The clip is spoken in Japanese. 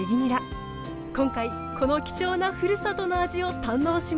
今回この貴重なふるさとの味を堪能します